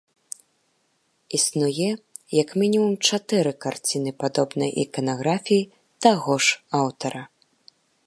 Існуе як мінімум чатыры карціны падобнай іканаграфіі таго ж аўтара.